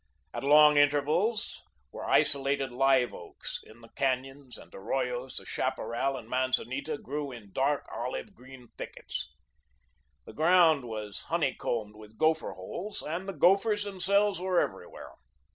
At long intervals, were isolated live oaks. In the canyons and arroyos, the chaparral and manzanita grew in dark olive green thickets. The ground was honey combed with gopher holes, and the gophers themselves were everywhere.